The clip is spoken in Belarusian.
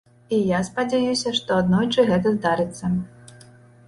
І я спадзяюся, што аднойчы гэта здарыцца.